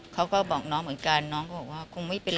เขาก็ช่วยเหลือตัวเองหาเงิน